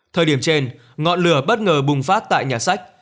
thời điểm trên ngọn lửa bất ngờ bùng phát tại nhà sách